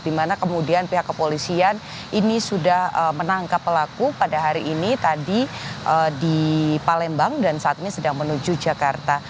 di mana kemudian pihak kepolisian ini sudah menangkap pelaku pada hari ini tadi di palembang dan saat ini sedang menuju jakarta